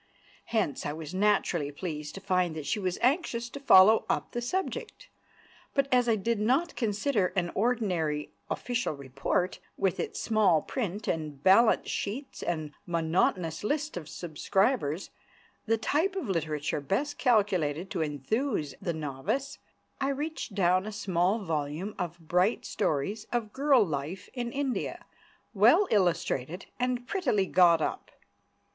Hence I was naturally pleased to find that she was anxious to follow up the subject; but as I did not consider an ordinary official report, with its small print, and balance sheets and monotonous lists of subscribers, the type of literature best calculated to enthuse the novice, I reached down a small volume of bright stories of girl life in India, well illustrated and prettily got up.